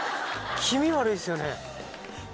気味悪いっすよね。